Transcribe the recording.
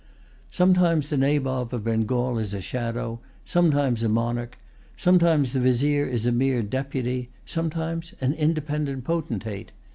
Sometimes the Nabob of Bengal is a shadow, sometimes a monarch. Sometimes the Vizier is a mere deputy, sometimes an independent potentate.